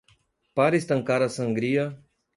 Para estancar a sangria